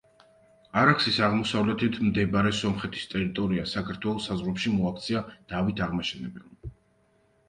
არაქსის აღმოსავლეთით მდებარე სომხეთის ტერიტორია, საქართველოს საზღვრებში მოაქცია დავით აღმაშენებელმა.